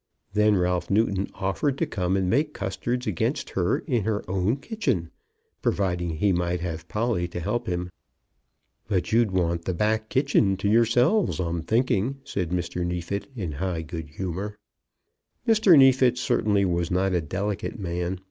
Then Ralph Newton offered to come and make custards against her in her own kitchen, providing he might have Polly to help him. "But you'd want the back kitchen to yourselves, I'm thinking," said Mr. Neefit, in high good humour. Mr. Neefit certainly was not a delicate man.